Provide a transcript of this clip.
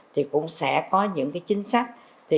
thì cũng sẽ có những chính sách